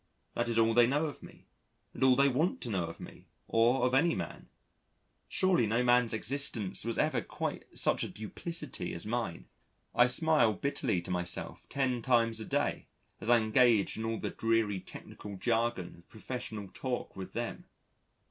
That is all they know of me, and all they want to know of me, or of any man. Surely no man's existence was ever quite such a duplicity as mine. I smile bitterly to myself ten times a day, as I engage in all the dreary technical jargon of professional talk with them.